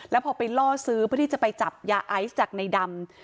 แล้วพอไปล่อซื้อเพื่อที่จะไปจับยาไอซ์จากในดำ